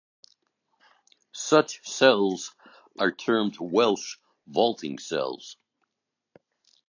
Such cells are termed Welsh vaulting cells.